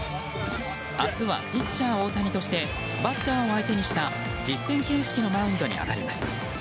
明日はピッチャー大谷としてバッターを相手にした実戦形式のマウンドに上がります。